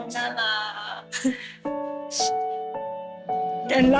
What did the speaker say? แต่รักพี่นะ